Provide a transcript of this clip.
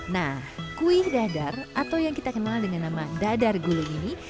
nah kuih dadar atau yang kita kenal dengan nama dadar gulung ini